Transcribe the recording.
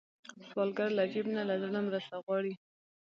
سوالګر له جیب نه، له زړه مرسته غواړي